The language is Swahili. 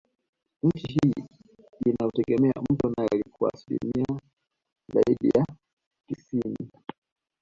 Nchi hii inautegemea mto nile kwa zaidi ya asilimia tisini